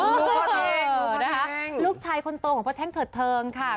ลูกนะคะลูกชายคนโตของพ่อแท่งเถิดเทิงค่ะ